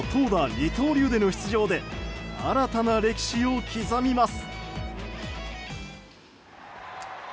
二刀流での出場で新たな歴史を刻みます。